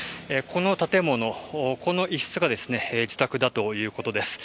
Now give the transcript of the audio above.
この建物、この一室が自宅だということです。